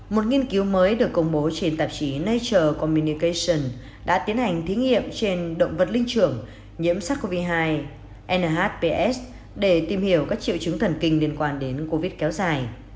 một nghiên cứu mới được công bố trên tạp chí nature comminication đã tiến hành thí nghiệm trên động vật linh trưởng nhiễm sars cov hai nhps để tìm hiểu các triệu chứng thần kinh liên quan đến covid kéo dài